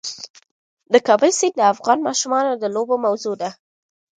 د کابل سیند د افغان ماشومانو د لوبو موضوع ده.